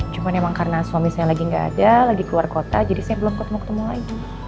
cuma emang karena suami saya lagi nggak ada lagi keluar kota jadi saya belum ketemu ketemu lagi